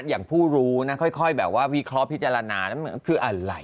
อย่างผู้รู้นะค่อยแบบว่าวิเคราะห์พิจารณาแล้วมันคืออะไร